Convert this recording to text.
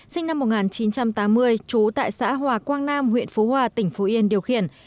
sinh năm một nghìn chín trăm tám mươi trú tại xã hòa quang nam huyện phú hòa tỉnh phú yên điều khiển